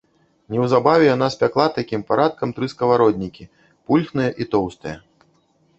Неўзабаве яна спякла такім парадкам тры скавароднікі, пульхныя і тоўстыя.